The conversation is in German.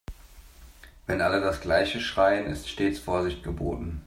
Wenn alle das gleiche schreien, ist stets Vorsicht geboten.